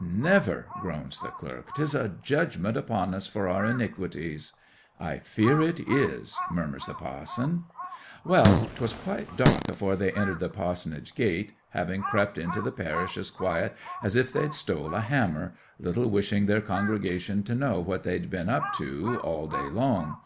'"Never!" groans the clerk. "'Tis a judgment upon us for our iniquities!" '"I fear it is," murmurs the pa'son. 'Well, 'twas quite dark afore they entered the pa'sonage gate, having crept into the parish as quiet as if they'd stole a hammer, little wishing their congregation to know what they'd been up to all day long.